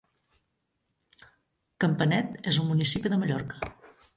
Campanet és un municipi de Mallorca.